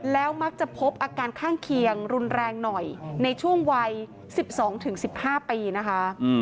แล้วมักจะพบอาการข้างเคียงรุนแรงหน่อยในช่วงวัย๑๒๑๕ปีนะคะ